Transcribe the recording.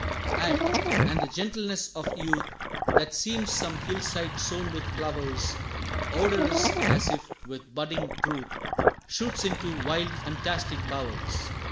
Aye, and the gentleness of youth, That seems some hill side sown with flowers, Odorous, as if with budding truth, Shoots into wild fantastic bowers.